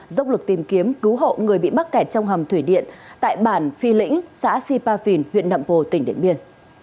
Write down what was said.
dốc lực tìm kiếm cứu hộ người bị bắt kẹt trong hầm thủy điện tại bản phi lĩnh xã sipafin huyện đậm bồ tỉnh điện biên